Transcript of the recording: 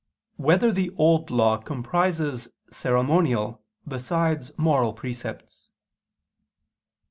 3] Whether the Old Law Comprises Ceremonial, Besides Moral, Precepts?